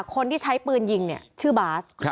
คนที่ใช้ปืนยิงเนี่ยชื่อบาส